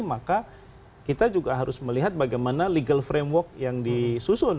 maka kita juga harus melihat bagaimana legal framework yang disusun